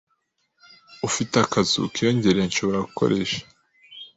Ufite akazu kiyongereye nshobora gukoresha?